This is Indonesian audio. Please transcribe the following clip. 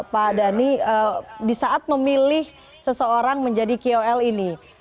pak dhani di saat memilih seseorang menjadi kol ini